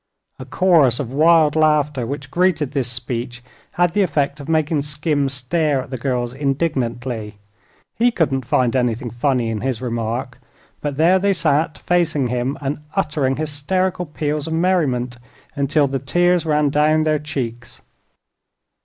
A chorus of wild laughter, which greeted this speech, had the effect of making Skim stare at the girls indignantly. He couldn't find anything funny in his remark; but there they sat facing him and uttering hysterical peals of merriment, until the tears ran down their cheeks.